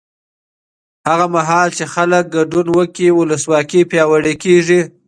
هغه مهال چې خلک ګډون وکړي، ولسواکي پیاوړې کېږي.